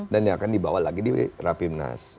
dan yang akan dibawa lagi di rapimnas